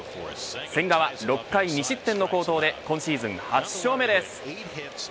千賀は６回２失点の好投で今シーズン８勝目です。